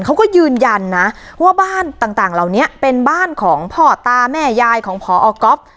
เขาก็ยืนยันนะว่าบ้านต่างเหล่านี้เป็นบ้านของพ่อตาแม่ยายของพอก๊อฟ